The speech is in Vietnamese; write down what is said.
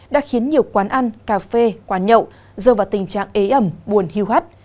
đã khiến nhiều quán ăn cà phê quán nhậu dơ vào tình trạng ế ẩm buồn hiu hắt